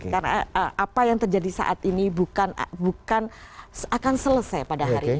karena apa yang terjadi saat ini bukan akan selesai pada hati mereka